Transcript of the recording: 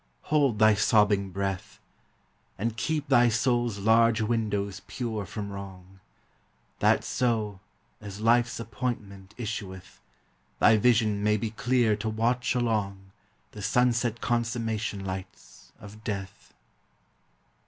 hold thy sobbing breath, And keep thy soul's large windows pure from wrong; That so, as life's appointment issueth, Thy vision may be clear to watch along The sunset consummation lights of death.